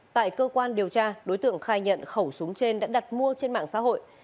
tại cơ quan điều tra đối tượng khai nhận khẩu súng trên đã đặt mua trên mạng xã hội